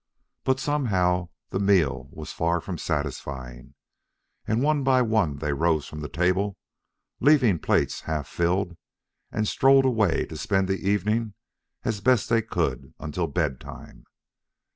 But, somehow, the meal was far from satisfying, and one by one they rose from the table, leaving plates half filled, and strolled away to spend the evening as best they could until bedtime.